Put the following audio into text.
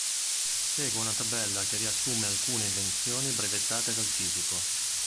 Segue una tabella che riassume alcune invenzioni brevettate dal fisico.